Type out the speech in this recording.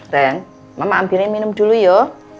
ren mama ambilin minum dulu yuk